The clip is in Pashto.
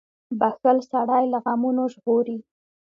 • بښل سړی له غمونو ژغوري.